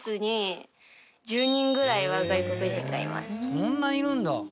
そんないるんだ。